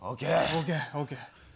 ＯＫＯＫ。